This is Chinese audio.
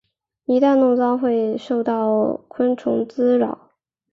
一旦弄脏会受到昆虫滋扰。